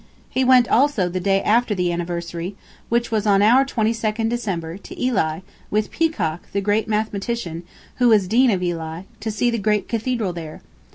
. He went also the day after the anniversary, which was on our 22nd December, to Ely, with Peacock, the great mathematician, who is Dean of Ely, to see the great cathedral there